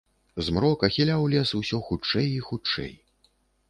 Змрок ахіляў лес усё хутчэй і хутчэй.